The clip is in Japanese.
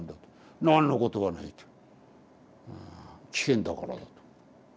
なんのことはないと危険だからだと。